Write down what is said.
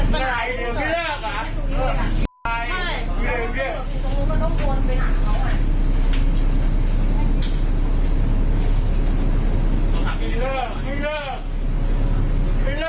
พี่เลิกพี่เลิกเหรอ